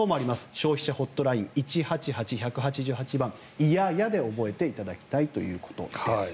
消費者ホットライン１８８番嫌やで覚えていただきたいということです。